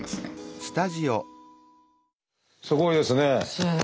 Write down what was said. すごいですね。